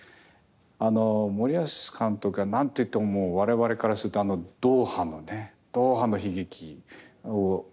あの森保監督は何と言っても我々からするとあのドーハのねドーハの悲劇を体験されていて。